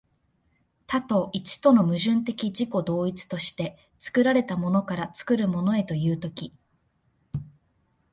多と一との矛盾的自己同一として、作られたものから作るものへという時、